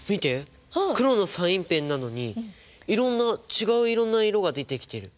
黒のサインペンなのにいろんな違ういろんな色が出てきてる。